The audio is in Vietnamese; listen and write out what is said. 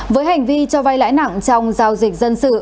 với hành vi cho vay lãi nặng trong giao dịch dân sự